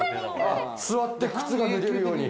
座って靴が脱げるように。